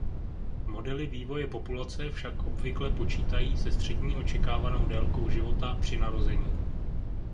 Modely vývoje populace však obvykle počítají se střední očekávanou délkou života při narození.